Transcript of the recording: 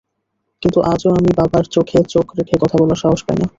কিন্তু আজও আমি বাবার চোখে চোখ রেখে কথা বলার সাহস পাই না।